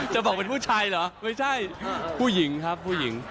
จะบอกเป็นผู้ชายเหรอไม่ใช่ผู้หญิงครับผู้หญิง